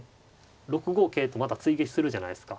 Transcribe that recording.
６五桂とまた追撃するじゃないですか。